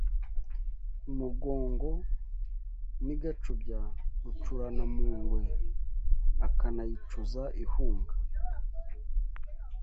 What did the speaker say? I Mugongo n’i Gacubya, Rucurana-mpungwe akanayicuza ihunga